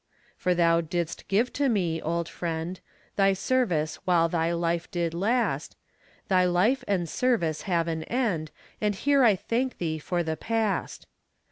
For thou didst give to me, old friend, Thy service while thy life did last; Thy life and service have an end, And here I thank thee for the past.